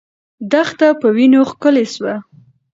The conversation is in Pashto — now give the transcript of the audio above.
دښته په وینو ښکلې سوه.